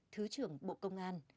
thứ trưởng bộ công an